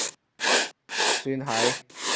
算係